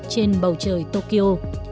trên bầu trời tokyo